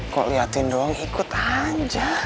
kok lihatin doang ikut aja